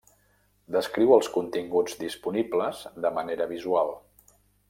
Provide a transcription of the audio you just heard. Descriu els continguts disponibles de manera visual.